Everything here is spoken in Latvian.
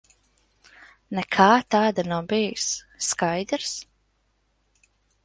Nekā tāda nav bijis. Skaidrs?